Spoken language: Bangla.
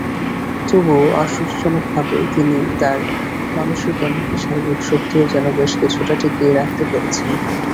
তবুও আশ্চর্যজনকভাবে তিনি তার মানসিক, এমনকি শারীরিক শক্তিও যেন বেশকিছুটা টিকিয়ে রাখতে পেরেছেন।